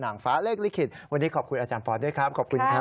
นางฟ้าเลขลิขิตวันนี้ขอบคุณอาจารย์ปอสด้วยครับขอบคุณครับ